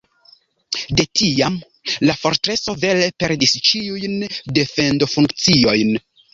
De tiam la fortreso vere perdis ĉiujn defendofunkciojn.